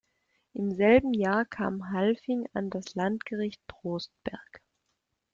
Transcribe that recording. Im selben Jahr kam Halfing an das Landgericht Trostberg.